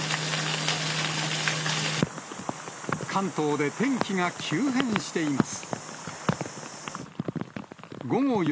関東で天気が急変しています。